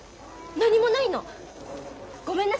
何もない。